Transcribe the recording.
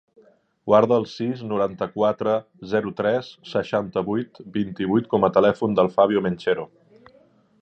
Guarda el sis, noranta-quatre, zero, tres, seixanta-vuit, vint-i-vuit com a telèfon del Fabio Menchero.